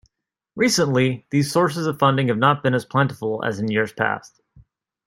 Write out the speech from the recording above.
Recently, these sources of funding have not been as plentiful as in years past.